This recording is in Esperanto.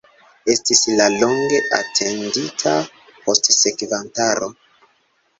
Estis la longe atendita postsekvantaro.